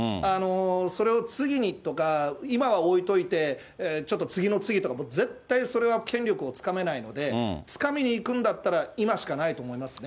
それを次にとか、今は置いといて、ちょっと次の次とか、絶対それは権力をつかめないので、つかみにいくんだったら今しかないと思いますね。